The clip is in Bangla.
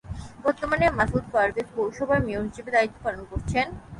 বর্তমানে মাসুদ পারভেজ পৌরসভার মেয়র হিসেবে দায়িত্ব পালন করছেন।